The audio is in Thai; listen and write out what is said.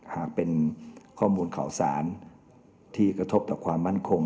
หากเป็นข้อมูลข่าวสารที่กระทบต่อความมั่นคง